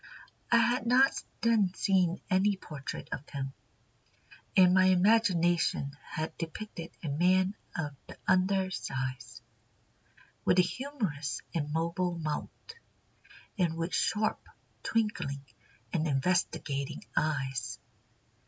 I had not then seen any portrait of him, and my imagination had depicted a man of the under size, with a humorous and mobile mouth, and with sharp, twinkling, and investigating eyes.